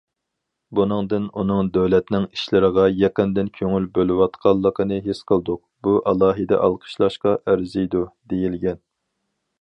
بۇنىڭدىن ئۇنىڭ دۆلەتنىڭ ئىشلىرىغا يېقىندىن كۆڭۈل بۆلۈۋاتقانلىقىنى ھېس قىلدۇق، بۇ ئالاھىدە ئالقىشلاشقا ئەرزىيدۇ، دېيىلگەن.